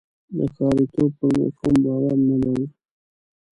د ښاریتوب پر مفهوم باور نه لري.